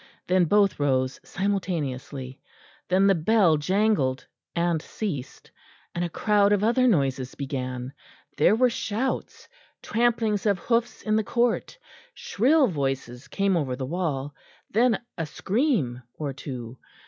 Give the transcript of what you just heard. Then both rose simultaneously. Then the bell jangled and ceased; and a crowd of other noises began; there were shouts, tramplings of hoofs in the court; shrill voices came over the wall; then a scream or two.